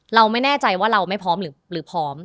เราไม่แน่ใจว่าเราไม่พร้อมหรือพร้อม